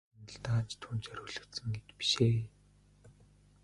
Гэхдээ энэ хоёр сандал даанч түүнд зориулагдсан эд биш ээ.